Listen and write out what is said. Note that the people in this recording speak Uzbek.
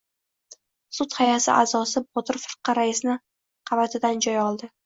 Sud hay’ati a’zosi Botir firqa raisni qabatidan joy oldi.